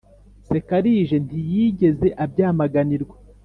nsekalije ntiyigeze abyamaganirwa.